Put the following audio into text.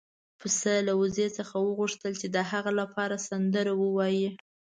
پسه له وزې څخه وغوښتل چې د هغه لپاره سندره ووايي.